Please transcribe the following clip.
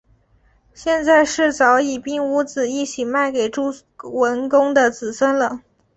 现在是早已并屋子一起卖给朱文公的子孙了